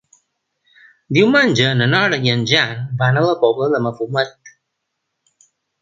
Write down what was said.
Diumenge na Nora i en Jan van a la Pobla de Mafumet.